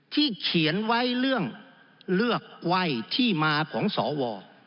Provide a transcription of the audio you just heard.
เขียนไว้เรื่องเลือกไว้ที่มาของสว